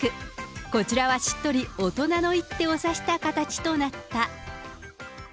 こちらはしっとり大人の一手を指した形となった。